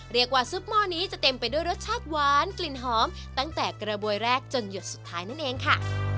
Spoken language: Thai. ซุปหม้อนี้จะเต็มไปด้วยรสชาติหวานกลิ่นหอมตั้งแต่กระบวยแรกจนหยดสุดท้ายนั่นเองค่ะ